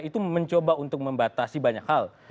itu mencoba untuk membatasi banyak hal